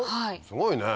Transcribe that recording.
すごいね。